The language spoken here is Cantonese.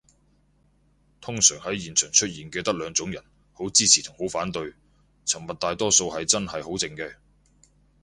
通常喺現場出現嘅得兩種人，好支持同好反對，沉默大多數係真係好靜嘅